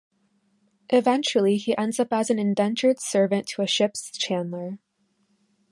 Eventually, he ends up as an indentured servant to a ship's chandler.